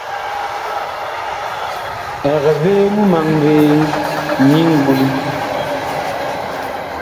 Eg vee mumaŋ vee nyi ngoli?